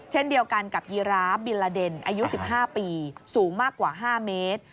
เช่นเดียวกันกับยีราบิลลาเดนอายุ๑๕ปีสูงมากกว่า๕เมตร